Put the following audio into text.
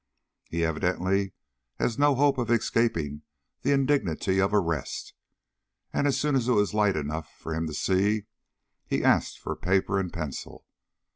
He evidently has no hope of escaping the indignity of arrest, and as soon as it was light enough for him to see, he asked for paper and pencil.